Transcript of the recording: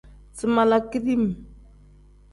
Si mala kidim.